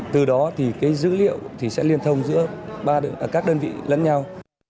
từ đó thì cái dữ liệu thì sẽ liên thông giữa các đơn vị lẫn nhau